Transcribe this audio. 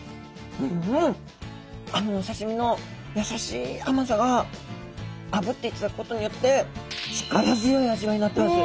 あのお刺身の優しい甘さがあぶっていただくことによって力強い味わいになってます。